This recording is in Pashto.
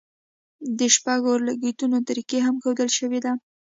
د شپږو اورلګیتونو طریقه هم ښودل شوې ده.